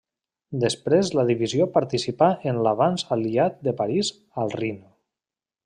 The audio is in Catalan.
Després la divisió participà en l'avanç Aliat de París al Rin.